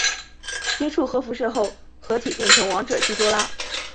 接触核辐射后合体变成王者基多拉。